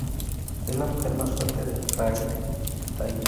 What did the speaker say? Es la mujer más fuerte de Fairy Tail.